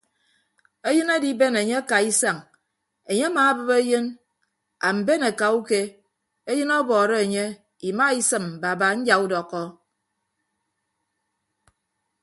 Eyịn adiben enye akaa isañ enye amaabịp eyịn amben akauke eyịn ọbọọrọ enye imaisịm baba nyaudọkkọ.